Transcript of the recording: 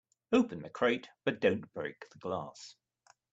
Open the crate but don't break the glass.